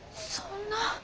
そんな。